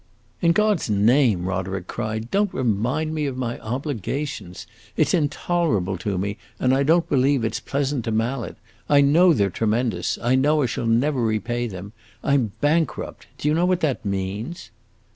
"In God's name," Roderick cried, "don't remind me of my obligations! It 's intolerable to me, and I don't believe it 's pleasant to Mallet. I know they 're tremendous I know I shall never repay them. I 'm bankrupt! Do you know what that means?"